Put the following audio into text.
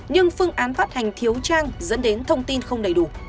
nhưng phương án phát hành thiếu trang dẫn đến thông tin không đầy đủ